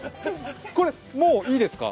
これ、もういいですか？